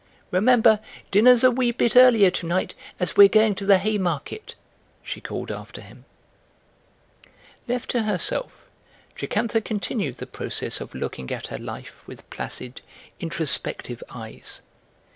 "Remember, dinner's a wee bit earlier to night, as we're going to the Haymarket," she called after him. Left to herself, Jocantha continued the process of looking at her life with placid, introspective eyes.